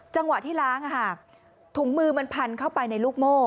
จังหวะที่ล้างถุงมือมันพันเข้าไปในลูกโม่